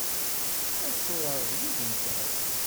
Ad turareḍ yid-nteɣ?